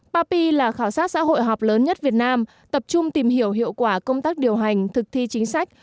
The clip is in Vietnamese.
papi là khảo sát xã hội họp lớn nhất việt nam tập trung tìm hiểu hiệu quả công tác điều hành thực thi chính sách